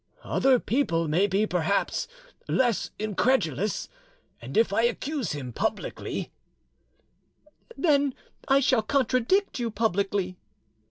"Other people may perhaps be less incredulous, and if I accuse him publicly——" "Then I shall contradict you publicly!"